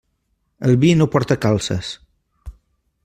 El vi no porta calces.